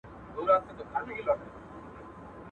یوه ورخ مي زړه په شکر ګویا نه سو.